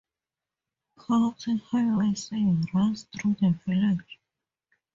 County Highway C runs through the village.